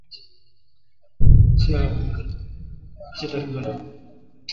lilifikia takriban dola mia nane harobaini mwaka wa elfu mbili na ishirini na moja